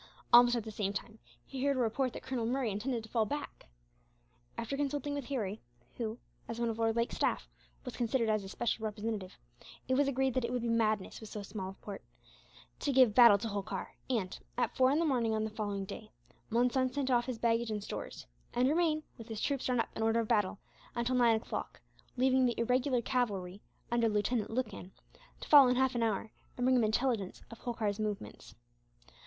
Almost at the same time he heard a report that Colonel Murray intended to fall back. After consulting with Harry, who, as one of Lord Lake's staff, was considered as his special representative, it was agreed that it would be madness, with so small a force, to give battle to Holkar and, at four in the morning on the following day, Monson sent off his baggage and stores; and remained, with his troops drawn up in order of battle, until nine o'clock; leaving the irregular cavalry, under Lieutenant Lucan, to follow in half an hour, and bring him intelligence of Holkar's movements.